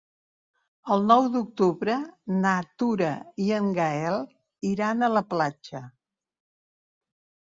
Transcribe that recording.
El nou d'octubre na Tura i en Gaël iran a la platja.